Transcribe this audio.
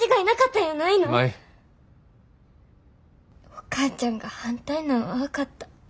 お母ちゃんが反対なんは分かった。